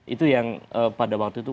itu yang pada waktu itu